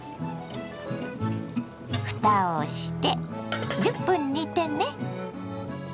ふたをして１０分煮てね。